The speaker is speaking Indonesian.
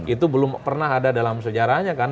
itu belum pernah ada dalam sejarahnya kan